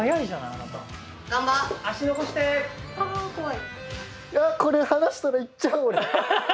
いやこれ離したらいっちゃう俺。